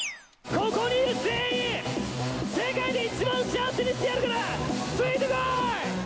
ここにいる全員、世界で一番幸せにしてやるからついてこい。